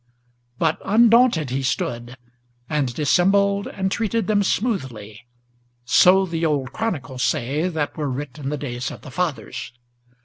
But undaunted he stood, and dissembled and treated them smoothly; So the old chronicles say, that were writ in the days of the fathers.